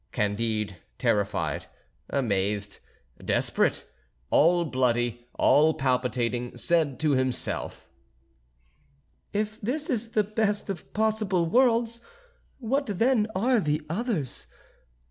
Candide, terrified, amazed, desperate, all bloody, all palpitating, said to himself: "If this is the best of possible worlds, what then are the others?